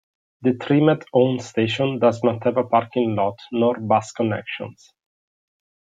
The TriMet owned station does not have a parking lot nor bus connections.